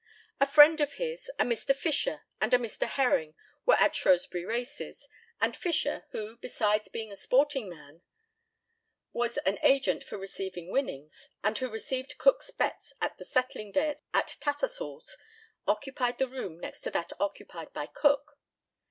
A friend of his, a Mr. Fisher, and a Mr. Herring, were at Shrewsbury Races, and Fisher, who, besides being a sporting man, was an agent for receiving winnings, and who received Cook's bets at the settling day at Tattersall's, occupied the room next to that occupied by Cook.